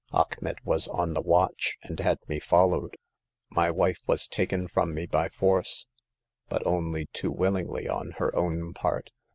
" Achmet w^as on the watch, and had me followed. My wife was taken from me by force, but only too willingly on her ow^n part.